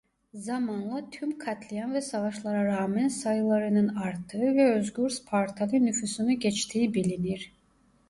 Zamanla tüm katliam ve savaşlara rağmen sayılarının arttığı ve özgür Spartalı nüfusunu geçtiği bilinir.